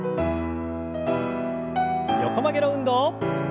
横曲げの運動。